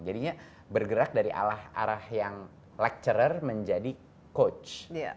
jadinya bergerak dari arah arah yang lecture menjadi coach